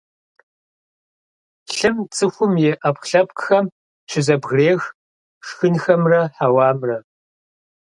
Лъым цӀыхум и Ӏэпкълъэпкъхэм щызэбгрех шхынхэмрэ хьэуамрэ.